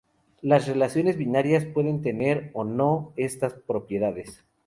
Las relaciones binarias pueden tener o no estas propiedades.